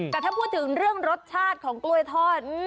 แต่ถ้าพูดถึงเรื่องรสชาติของกล้วยทอด